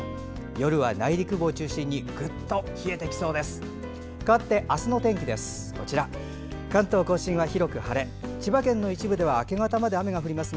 夜は内陸部を中心にぐっと冷えてきそうです。